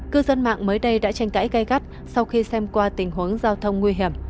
cư dân mạng mới đây đã tranh cãi gây gắt sau khi xem qua tình huống giao thông nguy hiểm